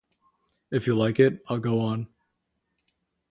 If you like it, I'll go on.